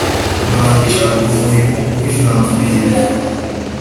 banca umurimo ubihambira